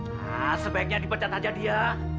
nah sebaiknya dipecat aja dia